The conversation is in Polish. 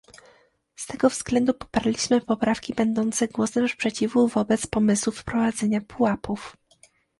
Z tego względu poparliśmy poprawki będące głosem sprzeciwu wobec pomysłu wprowadzenia pułapów